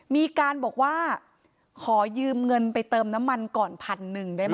มีการบอกว่าขอยืมเงินไปเติมน้ำมันก่อนพันหนึ่งได้ไหม